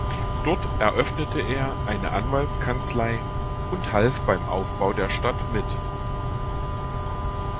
Dort eröffnete er eine Anwaltskanzlei und half beim Aufbau der Stadt mit.